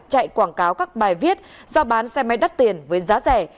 chạy quảng cáo các bài viết giao bán xe máy đắt tiền với giá rẻ